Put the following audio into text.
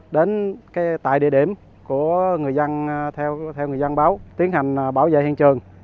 đến tại địa điểm của người dân theo người dân báo tiến hành bảo vệ hiện trường